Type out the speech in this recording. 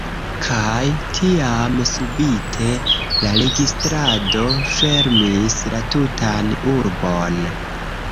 kaj tiam subite la registrado fermis la tutan urbon.